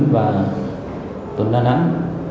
và tuấn đa nẵng